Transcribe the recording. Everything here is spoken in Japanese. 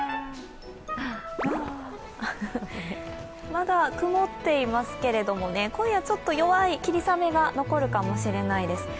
まだ曇っていますけれども今夜ちょっと弱い霧雨が残るかもしれないです。